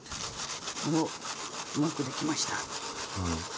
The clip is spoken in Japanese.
うまくできました。